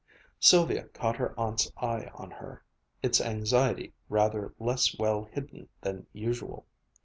Sylvia caught her aunt's eye on her, its anxiety rather less well hidden than usual.